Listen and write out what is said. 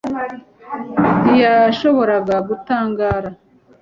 ntiyashoboraga gutangara